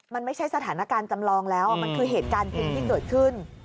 มันไม่ใช่สถานการณ์จำลองแล้วมันคือเหตุการณ์จริงที่เกิดขึ้น